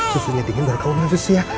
susunya dingin baru kamu nangis ya